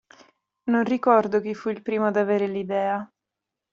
Non ricordo chi fu il primo ad avere l'idea.